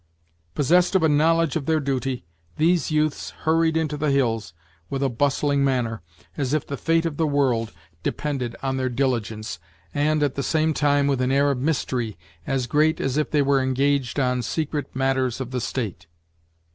Possessed of a knowledge of their duty, these youths hurried into the hills, with a bustling manner, as if the fate of the world depended on their diligence, and, at the same time, with an air of mystery as great as if they were engaged on secret matters of the state.